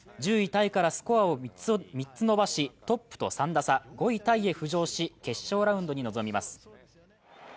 タイからスコアを３つ伸ばしトップと３打差、５位タイへ浮上し、決勝ラウンドに臨みます。